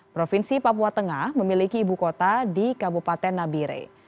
provinsi papua tengah memiliki ibu kota di kabupaten nabire